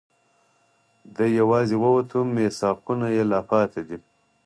دی یواځي ووت، میثاقونه یې لا پاتې دي